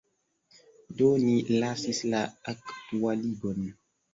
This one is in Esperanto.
Do ni lasis la aktualigon.